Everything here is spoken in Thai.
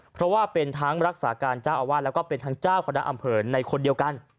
เพราะว่าเป็นทั้งรักษาการเจ้าอาวาสแล้วก็เป็นทั้งเจ้าคณะอำเภอในคนเดียวกัน